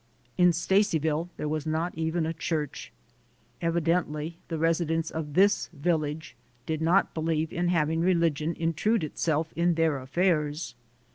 In Stacyville there was not even a church. Evidently the residents of this "village" did not believe in having religion intrude itself in their affairs.